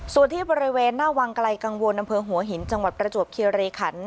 ส่วนที่บริเวณหน้าวังไกลกังวลอำเภอหัวหินจังหวัดประจวบคิริขัน